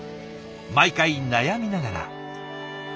毎回悩みながら。